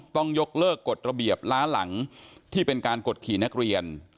ต้องยกเลิกกฎระเบียบล้าหลังที่เป็นการกดขี่นักเรียน